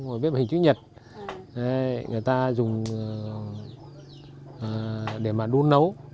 như chữ nhật người ta dùng để mà đun nấu